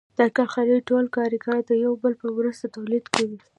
د کارخانې ټول کارګران د یو بل په مرسته تولید کوي